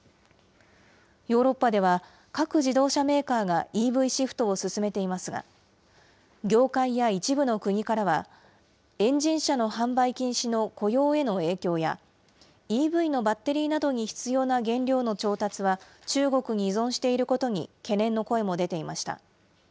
ヨーロッパでは、各自動車メーカーがＥＶシフトを進めていますが、業界や一部の国からは、エンジン車の販売禁止の雇用への影響や、ＥＶのバッテリーなどに必要な原料の調達は中国に依存していることに懸念の声も出ていました。